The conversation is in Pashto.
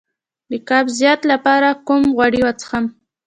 د قبضیت لپاره کوم غوړي وڅښم؟